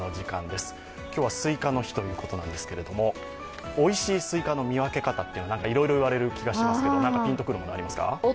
今日はスイカの日ということなんですけれどもおいしいスイカの見分け方っていろいろ言われますけど何かピンとくるものありますか？